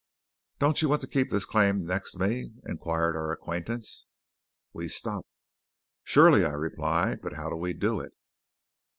"Don't you want to keep this claim next me?" inquired our acquaintance. We stopped. "Surely!" I replied. "But how do we do it?"